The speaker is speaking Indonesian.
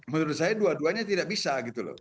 menurut saya dua duanya tidak bisa gitu loh